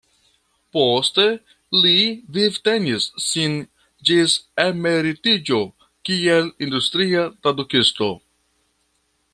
Poste li vivtenis sin ĝis emeritiĝo kiel industria tradukisto.